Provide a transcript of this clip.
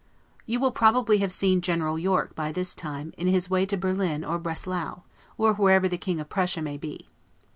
You will probably have seen General Yorke, by this time, in his way to Berlin or Breslau, or wherever the King of Prussia may be.